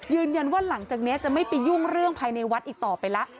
ยืนยันว่าหลังจากนี้จะไม่ไปยุ่งเรื่องภายในวัดอีกต่อไปละ